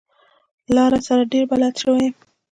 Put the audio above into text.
لاره سره ډېر بلد شوی يم.